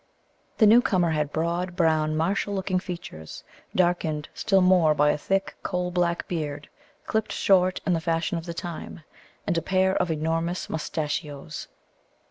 The new comer had broad, brown, martial looking features, darkened still more by a thick coal black beard, clipped short in the fashion of the time, and a pair of enormous moustachios.